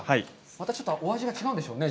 またちょっとお味が違うんでしょうね。